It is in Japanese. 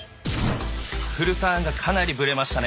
フルターンがかなりぶれましたね。